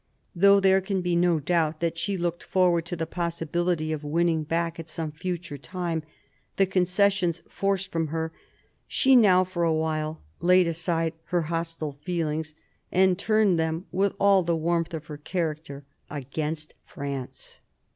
Though there can be no doubt that she looked forward to the possibility of winning back at some future time the concessions forced from her, she now for a while laid aside her hostile feelings, and turned them, with all the warmth of her character, against France.